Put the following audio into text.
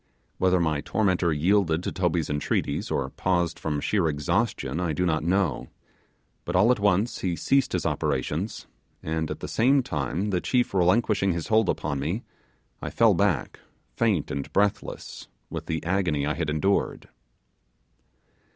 Whether my tormentor yielded to Toby's entreaties, or paused from sheer exhaustion, I do not know; but all at once he ceased his operations, and at the same time the chief relinquishing his hold upon me, I fell back, faint and breathless with the agony I had endured.